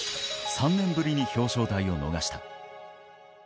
３年ぶりに表彰台を逃した。